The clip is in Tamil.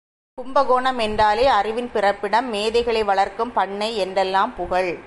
கும்பகோணம் என்றாலே அறிவின் பிறப்பிடம், மேதைகளை வளர்க்கும் பண்ணை என்றெல்லாம் புகழ்.